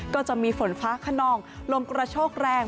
ก็จะมีฝนฟ้าขนองลมกระโชกแรง